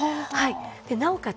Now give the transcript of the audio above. なおかつ